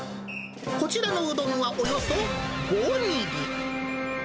こちらのうどんはおよそ５ミリ。